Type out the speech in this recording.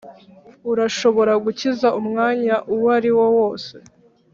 urashobora gukiza umwanya uwariwo wose.